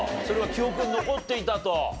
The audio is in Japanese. それが記憶に残っていたと。